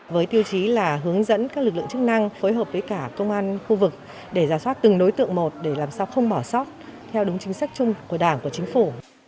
với tiêu chí là hướng dẫn các lực lượng chức năng phối hợp với cả công an khu vực để giả soát từng đối tượng một để làm sao không bỏ sót theo đúng chính sách chung của đảng và chính phủ